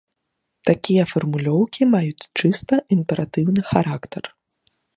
Такія фармулёўкі маюць чыста імператыўны характар.